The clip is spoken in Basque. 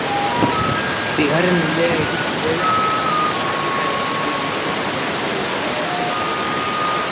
Bigarren oldea iritsi dela eta birusa azkar hedatzen ari dela erantsi du.